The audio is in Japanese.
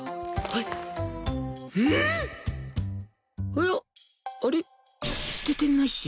いやあれ捨ててないし。